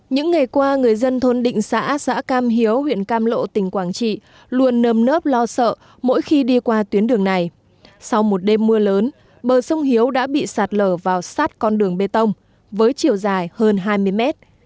những ngày qua người dân thôn định xã xã cam hiếu huyện cam lộ tỉnh quảng trị luôn nơm nớp lo sợ mỗi khi đi qua tuyến đường này sau một đêm mưa lớn bờ sông hiếu đã bị sạt lở vào sát con đường bê tông với chiều dài hơn hai mươi mét